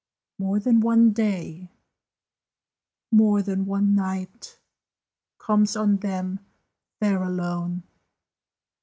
More than one day more than one night, Comes on them there alone!